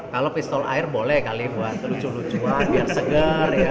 kalau pistol air boleh kali buat lucu lucuan biar segar ya